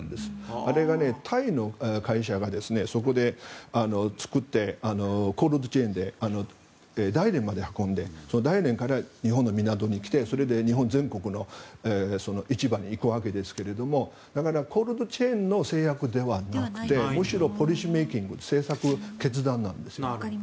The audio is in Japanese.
あれがタイの会社がそこで作ってコールドチェーンで大連まで運んでそれで日本全国の市場に行くわけですがコールドチェーンの制約ではなくてむしろポリッシュメイキング政策・決断なんです。